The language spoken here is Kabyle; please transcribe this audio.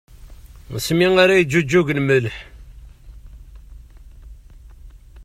Asmi ara yeǧǧuǧǧeg lmelḥ!